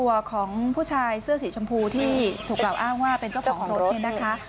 ตัวของผู้ชายเสื้อสีชมพูที่ถูกกล่าวอ้างว่าเป็นเจ้าของรถเนี่ยนะคะ